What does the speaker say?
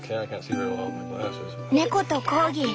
猫とコーギー。